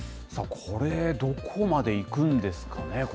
これ、どこまでいくんですかね？